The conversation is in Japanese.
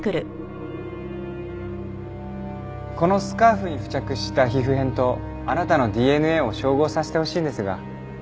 このスカーフに付着した皮膚片とあなたのＤＮＡを照合させてほしいんですが。